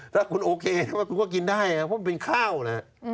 ถ้าคุณโอเคคุณก็กินได้นะเพราะเป็นข้าวนะฮะ